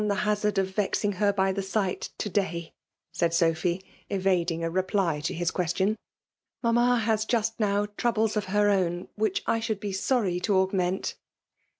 *'" I will not run the hazard of vexing h€r by the sight to day, ^^ said Sophy, evading a re ply to his question. " Mamma has just now troables of her own which I should be sorry to augment!"